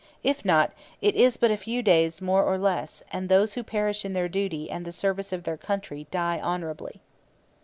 If not, it is but a few days more or less, and those who perish in their duty and the service of their country die honourably.'